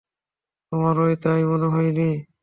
তোমারও তাই মনে হয়নি?